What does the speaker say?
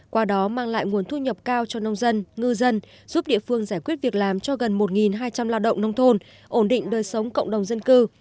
qua đó mang lại nguồn thu nhập cao cho nông dân ngư dân giúp địa phương giải quyết việc làm cho gần một hai trăm linh lao động nông thôn ổn định đời sống cộng đồng dân cư